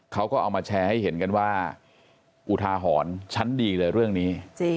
เขาก็เอามาแชร์ให้เห็นกันว่าอุทาหรณ์ชั้นดีเลยเรื่องนี้